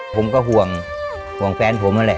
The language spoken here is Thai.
ผมก็ห่วงห่วงแฟนผมนั่นแหละ